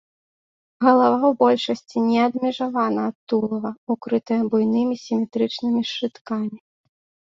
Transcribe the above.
Галава ў большасці не адмежавана ад тулава, укрытая буйнымі сіметрычнымі шчыткамі.